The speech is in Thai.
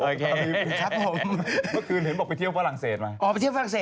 แยงสิเกียง